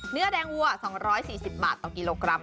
เนื้อแดงวัว๒๔๐บาทต่อกิโลกรัม